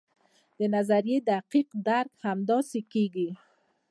د نظریې دقیق درک همداسې کیږي.